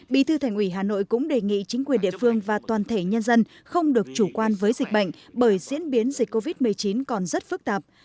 bí thư thành ủy hà nội cũng đề nghị chính quyền địa phương và toàn thể nhân dân không được chủ quan với dịch bệnh bởi diễn biến dịch covid một mươi chín còn rất phức tạp